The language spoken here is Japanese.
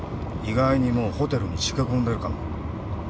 意外にもうホテルにしけこんでるかも。